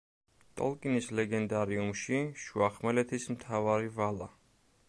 ტოლკინის ლეგენდარიუმში, შუახმელეთის მთავარი ვალა.